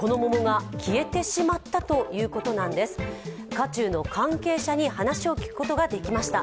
渦中の関係者に話を聞くことができました。